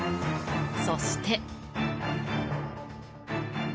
そして。